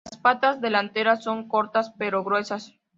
Las patas delanteras son cortas pero gruesas.